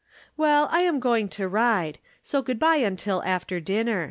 Well, I am going to ride ; so good by until after dinner.